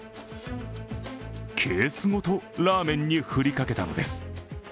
ケースごと、ラーメンに振りかけたのです。